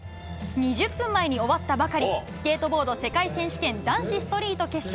２０分前に終わったばかり、スケートボード世界選手権男子ストリート決勝。